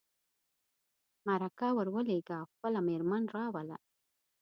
مرکه ور ولېږه او خپله مېرمن راوله.